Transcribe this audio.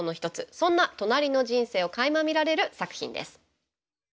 そんなとなりの人生をかいま見られる作品です。